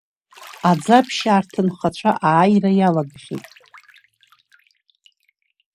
Аӡаԥшьаа рҭынхацәа ааира иалагахьеит.